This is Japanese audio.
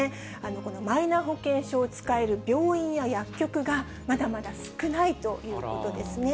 このマイナ保険証を使える病院や薬局がまだまだ少ないということですね。